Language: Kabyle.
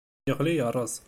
Yeɣli yerreẓ.